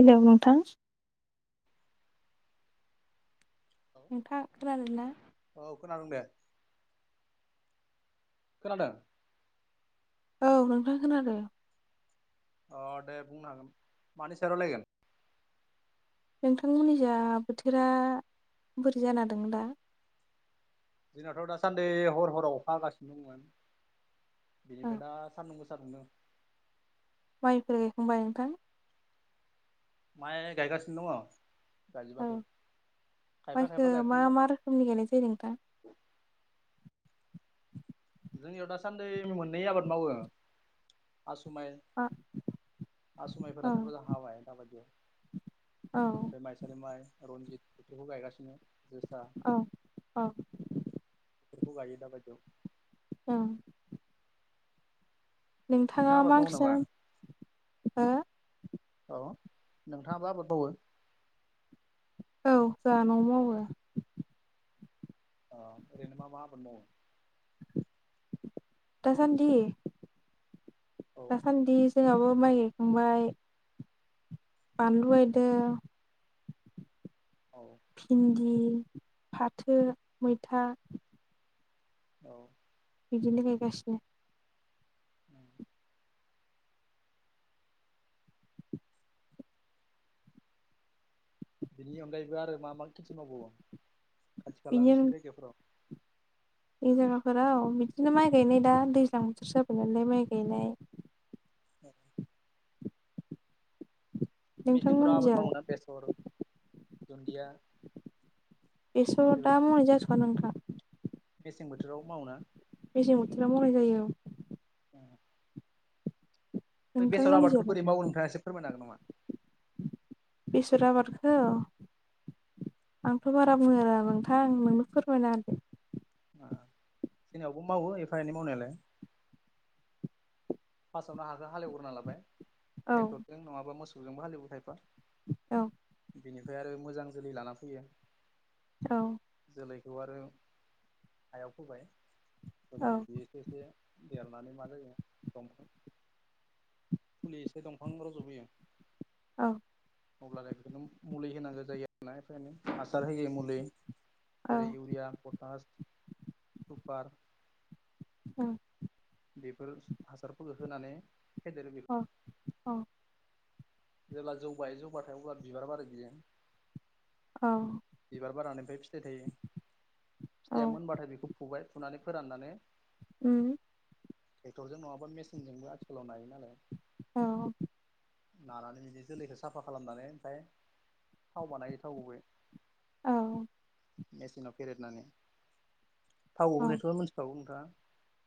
Hello नोंथां नोंथां खोनादों ना? औ खोनादों दे खोनादों? औ नोंथां खोनादों। अ दे बुंनो हागोन मानि सायाव रावलायगोन? नोंथांमोननि जा बोथोरा बोरै जाना दं दा? जोंनाथ' दासान्दि हर हराव अखा हागासिनो दंमोन। औ बेनिफ्राय दा सान्दुं गोसा दुंदों। माइफोर गायखांबाय नोंथां? माइ गायगासिनो दङ औ गायजोबाखै खायफा खायफा गायखांबाय। समनि गायनाय जायो नोंथां। जोंनियाव दासान्दि मोननै आबाद मावो। आसु माइ मा हासुमायफोरा औ सोरबा हाबाय दाबायदियाव बिनिफ्राय औ माइसालि माइ रनजित बेफोरखौ गायगासिनो जोसा औ औ फोरखौ गायो दा बायदियाव औ नोंथाङा आबाद मा मावो ओंख्रि नामा? जाना हो [inaudible] औ नोंथाङाबो आबाद मावो? औ जाङा न'आव मावो अ ओरैनो मा मा आबाद मावो? दासान्दि? दासान्दि जोंहाबो माइ गायखांबाय। बानलु गायदो। औ। भिन्दि फाथो मैथा। औ बिदिनो गायगासिनो उम। बिनि अनगायैबो आरो मा मा खेथि मावबावो खाथि खाला बेनि अनगा नोंसिनि जायगाफोराव? बे जायगाफोराव बिदिनो माइ गायनाय दा दैज्लां बोथोर जाबाय नालाय माइ गायनाय औ। मेसेंफोराव आबाद नोंथांमोननिजालाय मावोोना बेसर दुन्दिया बेस' दा बेबायदि मोनजाथ'आ नोंथां। मेसें बोथोराव मावोना? मेसें बोथोराव मावनाय जायो ओम बे बेसर आबादखौ नोंथांमोननिजालाय बोरै मावगनिफ्राय्रा एसे फोरमनो हागोन नामा? बेसर आबादखौ आंथ' बारा बुंनो रोङा नोंथां नोंनो फोरमायनाहोदो जोंनियावबो मावो एफा एनै मावनायालाय। फार्स्टआवनो हाखौ हालेग्रोना लाबाय औ ट्रेक्टरजों नङाबा मोसौजोंबो हालेवबाय खाइफा औ बिनिफ्राय आरो मोजां जोलै लाना फैयो औ जोलैखौ आरो हायाव फोबाय औ हब्लानो बेयो एसे एसे देरनानै मा जायो दंफां फुलि एसे दंफां रज'बोयो। अ अब्लानो बेखौनो मुलि होनांगौ जायो आरोना एनो हासार होयो मुलि। औ जेरै इउरिया, पटास, सुपार। औ बेफोर हासारफोरखौ होनानै फेदेरो बे अ अ जेब्ला जौ बायो जौबाथाय अब्ला बिबार बाराय बियो। अ बिबार बारनानैनिफ्राय फिथायाइ थायो। औ फिथाइया मोनबाथाय बेखौ फुबाय फुनानै फोराननानै ओम ट्रेक्टरजों नङाबा मेसिनजोंबो आथिखालाव नायो नालाय औ लानानै बिदि जोलैखौ साफा खालामनानै ओमफ्राय थाव बानायो थावखौबो औ मेसिनाव फेरदनानै। थाव दिहुन औ नायखौ थ' मिथिखागौ नोंथाङा।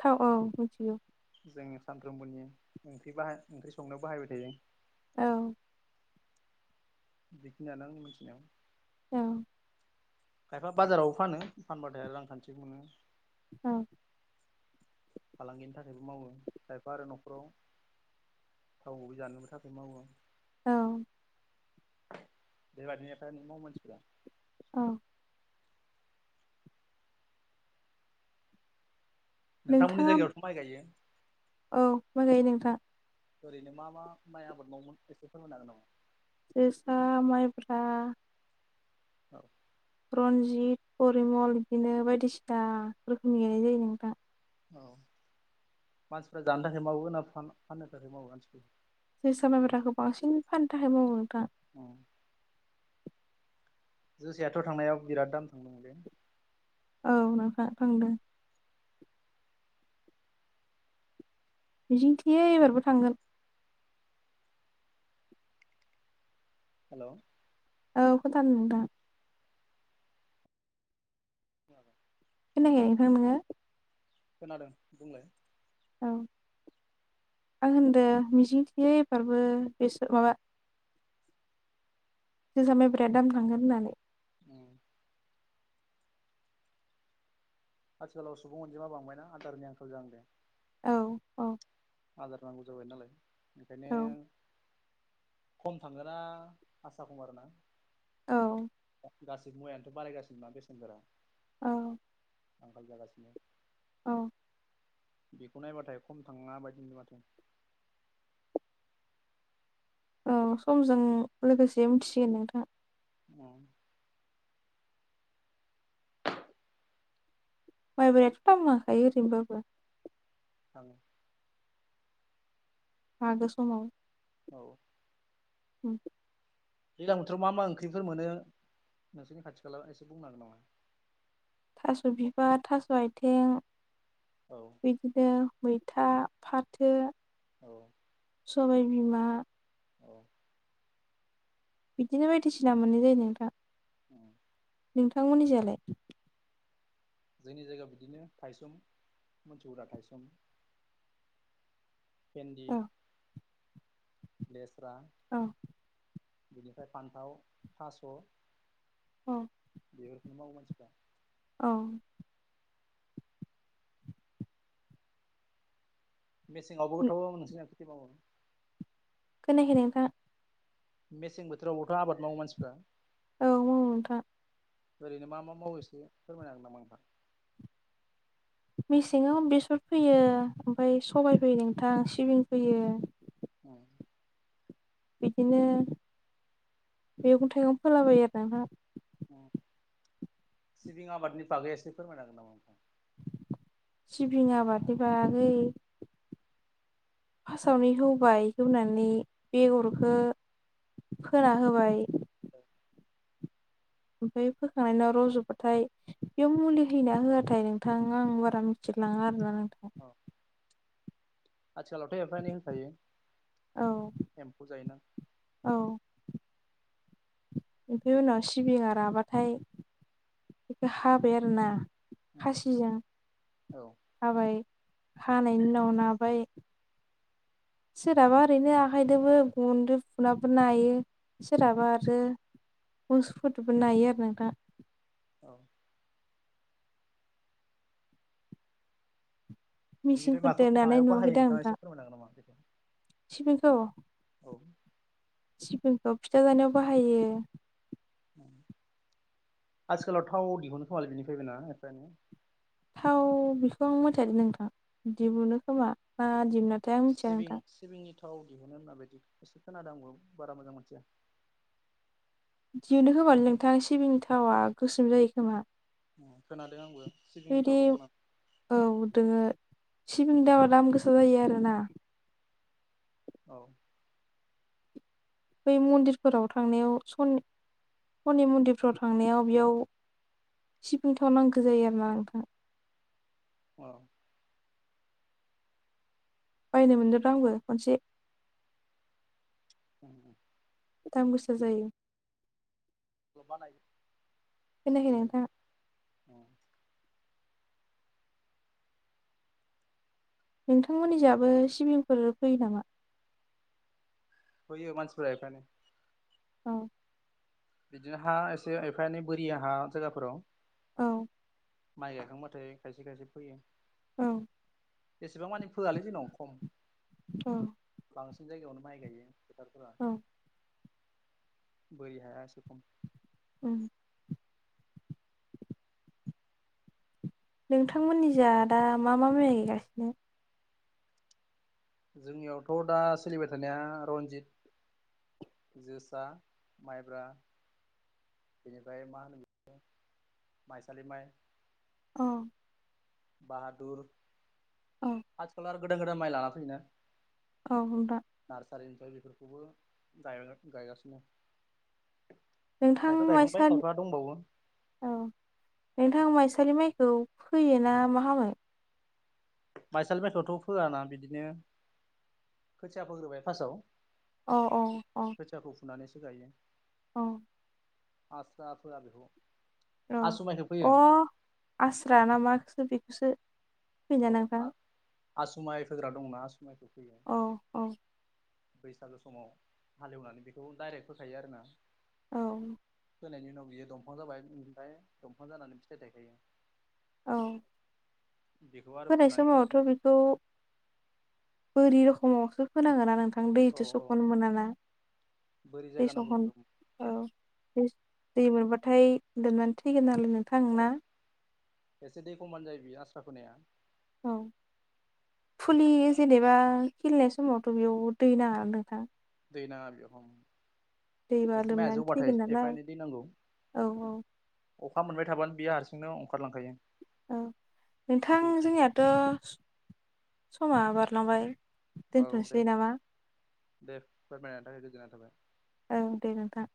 थाव औ मिथियो। जोंनि सानफ्रोमबोनि ओंख्रि बाहा ओंख्रि संनो बाहायबाय थायो। औ बेखिनियानो आं मोनथिनायाव औ खायफा बाजारावबो फानो फानबाथाय आरो रांखान्थिबो मोनो। औ फालांगिनि थाखायबो मावो खायफा आरो न'खराव थाव गुबै जानोबो थाखाय मावो। औ बेबादिनो नो फ्राय मावो मानसिफोरा औ नोंथांमोननि नोंथाङा जायगायावथ' माइ गायो? औ माइ गायो नोंथां। ओरैनो मा मा माइ आबाद मावोमोन एसे फोरमायनो हागोन नामा? जोसा माइब्रा औ रनजित, परिमल बिदिनो बायदिसिना रोखोमनि नुनाय जायो नोंथां। औ मानसिफ्रा जानो थाखाय मावो ना फान फाननो थाखाय मावो [unintelligible] जोसा मायब्राखौ बांसिन फाननो थाखाय मावो नोंथां। उम जोसायाथ' थांनायाव बिराद दाम थांदोंमोनलै। औ नोंथां थांदो। मिजिंथियो एबारबो थांगोन। हेलौ औ खोनादो नोंथां। [unintelligible] खोनायाखै नोंथां नोङो? खोनादों बुंलाय। औ आं होनदो मिजिं थियो एबारबो बेसर माबा जोसा माइब्राया दाम थांगोन होननानै। ओं आथिखालाव सुबुं अनजिमा बांबायना आदारनि आंखाल जाहांदो। औ औ आदार नांगौ जाबाय नालाय बिखायनो औ खम थांगोन ना आसा खम आरोना? औ। गासिबो मुायानोथ' बारायगासिनो ना बेसेनफोरा। औ। आंखाल जागासिनो। औ बेखौ नायबाथाय खम थाङा बायदि नुदो माथो। औ समजों लोगोसे मिथिसिगोन नोंथां। [unintelligible] [inaudible] माइब्रायाथ' दाम लाखायो ओरैनोबाबो। थां मागो समाव औ उम। दैलां बोथोराव मा मा ओंख्रिफोर मोनो नोंसोरनि खाथि खाला एसे बुंनो हागोन नामा? थास' बिबार थास' आयथिं औ बिदिनो मैथा फाथो औ सबाय बिमा औ बिदिनो बायदिसिना मोननाय जायो नोंथां। उम नोंथां मोननिजलाय? जोंनि जायगायाव बिदिनो थाइसुम मोनसौग्रा थाइसुम पेन्दी औ लेस्रा औ बिनिफ्राय फान्थाव थास' औ बेफोरखौ मावो मानसिफ्रा औ मेसेंआवबोथ' नोंसोरना खेथि मावो? खोनायाखै नोंथां मेसें बोथोरावबोथ' आबाद मावो मानसिफ्रा औ मावो नोंथां ओरैनो मा मा मावो एसे फोरमायना हांगोन नामा नोंथां। मेसेङाव बेस'र फैयो ओमफ्राय सबाय फैयो नोंथां सिबिं फोयो औ बिदिनो मैगं थाइगं फोलाबायो आरो नोंथां ओम सिबिं आबादनि बागै एसे फोरमायनाो हागोन नामा नोंथां? सिबिं आबादनि बागै फास्स्ट आवनो हुबाय हुनानै बेग'रखौ फोना होबाय ओमफ्राय फोखांनायनि उनाव रज'बाथाय बेयाव मुलि हैयोना होआथाय नोंथां आं बारा मिथिलाङा आरो ना नोंथां। औ आथिखालावथ' एपा एनै होनखायो औ एम्फौ जायोना। औ ओमफफ्राय उनाव बेनिफ्राय सिबिङा राबाथाय बेखौ हाबाय आरो ना उम खासिजों हाबाय हानायनि उनाव नाबाय सोरहाबा ओरैनो आखाइजोंबो गुनदो बुनाबो नायो सोरहाबा आरो मोसौफोरजोंबो नायो आरो नोंथां। औ बिनिफ्राय माखौ मिसिंफोरजों नानाय मायाव बाहायो नुवाखैदां नोंथाङा नोंथां एसे फोरमायनो हागोन नामा बेखौ सिबिंखौ औ सिबिंखौ फिथा जानायाव बाहायो ओम आथिखालाव थाव दिहुननो खोमालै बिनिफ्रायबाय ना एफा एनै। थाव बेखौ आं मोनथियादै नोंथां दिहुनो खोमा ना दिहुना सिबिं सिबिंनि थाव दिहुननो माबायदि एसे खोनादों आंबो बारा मोजां मोनथिया। दिहुनो खोमालै नोंथां सिबिंनि थावा गोसोम जायो खोमा। खोनादों आंबो बेबायदि सिगांनिथाव दंमोन होननानै औ दोङो सिबिंनि दामआ दाम गोसा जायो आरोना औ बै मन्दिरफोराव थांनायाव स' स'नि मन्दिरफोराव थांनायाव बेयाव सिबिं थाव नांगौ जायो आरो ना नोंथां। अ। बायनो मोनदोंब्रा आंबो खनसे। [unintelligible] दाम गोसा जायो। [unintelligible] बानायो खोनायाखै नोंथां [unintelligible] नोंथांमोननि जाहाबो सिबिंफोर फैयो नामा? फैयो मानसिफोरा एफा एनै। औ। बिदिनो हा एसे एफा एनै बोरिया हा जायगाफोराव औ। माइ गाखांबाथाय खायसे - खायसे फोयो। औ। एसेबां मानि फोयालै जोंनाव खम औ। बांसिन जायगायावनो माइ गायो फोथारफोरा औ। बोरि हाया एसेबां ओम। नोंथांमोननि जा दा मा - मा माय गायगासिनो। जोंनियावथ' दा सोलिबाय थानाया र'नजित जोसा, माइब्रा बेनिफ्राय मा होनो बेखो माइसालि माइ औ। बाहादुर औ। आथिखालाव आरो गोदान - गोदान माइ लाना फैयोना। औ होमबा नारसारिनिफ्रायबो बेफोरखौबो गायगा गायगासिनो। नोंथां खायफा गायखांबाय माइसालि खायफा दंबावो। औ नोंथां माइसालि माइखौ फोयो ना मा खामो? माइसालि मायखौथ' फोयाना बिदिनो खोथिया फोग्रोबाय फार्स्टआव अ अ अ खोथियाखौ फुनानैसो गायो। अ। आब्रा फोरा बेखौ र आसु मायखो अ फोयो। आस्रा ना मा खोसो बेखोसो औ आ आसुमाय फोग्रा दंना आसु माइखौ फैयो। औ - औ। बैसागु समाव हाल एवनानै बेखौ डाइरेक्ट फोखायो आरोना। औ। फोनायनि उनाव बियो दंफां जाबाय ओमफाय दंफां जानानै फिथाइ थायखायो। औ। बेखौ आरो होनाय फुनानै समावथ' गायफिना बेखौ बोरि रोखोमावसो फोनांगोना नोंथां औ दैथो औ स'खननो मोना ना। बोरै दै जायगा नांगौ स'खन बेखौ औ दै - दै मोनबाथाय लोमनानै थैगोन नालाय नोंथां ना। औ एसे दै खमबानो जायो बियो आस्रा फोनाया। औ फुलि जेनेबा खिलिनाय समावथ' बेयाव दै नाङा नोंथां? दै नाङा बेयाव होम। दैबा एसे माया लोमनानै जौबाथाय थैगोन नालाय एफा एनै दै नांगौ। औ औ अखा मोनबाय थाबानो बियो हारसिंनो अंखारलांखायो। औ नोंथां जोंनियाथ' समा बारलांबाय औ दे दोनथ'नोसै नामा? दे फोरमायनि थाखाय गोजोननाय थाबाय। औ दे नोंथां।